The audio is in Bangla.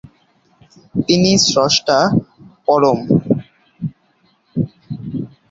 তিনিই স্রষ্টা, পরম।